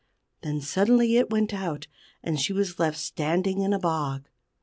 Then suddenly it went out, and she was left standing in a bog.